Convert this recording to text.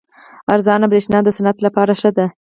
ارزانه بریښنا د صنعت لپاره ښه ده.